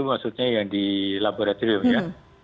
maksudnya yang di laboratorium ya